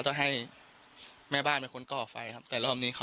ฟังเสียงลูกจ้างรัฐตรเนธค่ะ